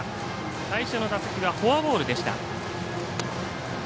最初の打席はフォアボールでした。